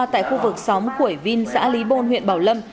tại khu vực xóm quẩy vin xã lý bôn huyện bảo lâm